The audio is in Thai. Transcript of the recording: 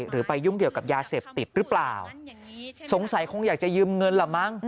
ไปยุ่งเกี่ยวกับยาเสพติดหรือเปล่าสงสัยคงอยากจะยืมเงินล่ะมั้ง